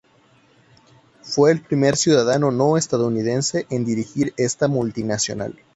Fue el primer ciudadano no estadounidense en dirigir esta multinacional.